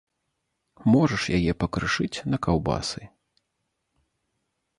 Можаш яе пакрышыць на каўбасы.